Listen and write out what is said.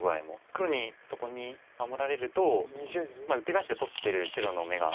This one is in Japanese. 黒にそこに守られるとウッテガエシで取ってる白の眼が。